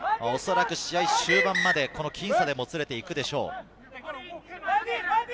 おそらく試合終盤まで、この僅差でもつれていくでしょう。